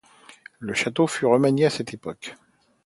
Le château fut remanié à cette époque.